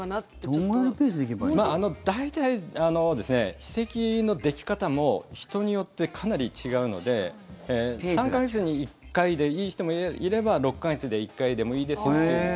大体、歯石のでき方も人によってかなり違うので３か月に１回でいい人もいれば６か月に１回でもいいですという。